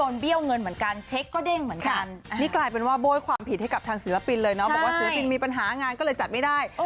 นี่กลายเป็นว่าโบ้ยความผิดให้กับทางศิลปินเลยเนาะบอกว่าศิลปินมีปัญหางานก็เลยจัดไม่ได้